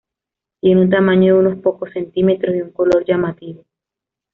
Tiene un tamaño de unos pocos centímetros y un color llamativo.